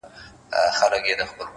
هره ناکامي د بیا پیل فرصت دی,